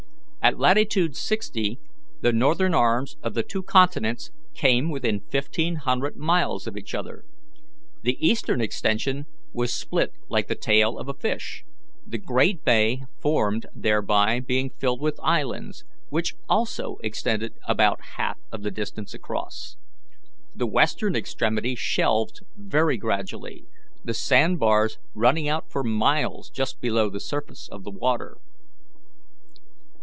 At latitude sixty the northern arms of the two continents came within fifteen hundred miles of each other. The eastern extension was split like the tail of a fish, the great bay formed thereby being filled with islands, which also extended about half of the distance across. The western extremity shelved very gradually, the sand bars running out for miles just below the surface of the water.